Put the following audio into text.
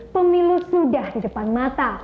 pemilu sudah di depan mata